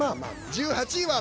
１８位は。